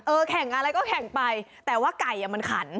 แข่งอะไรก็แข่งไปแต่ว่าไก่อ่ะมันขัน